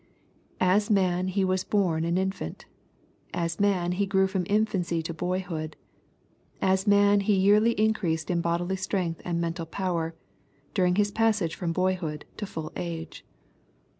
As man He was bom an infant. As man He grew from infancy to boyhood. As man He yearly increased in bodily strength and mental power, during His passage from boyhood to full age.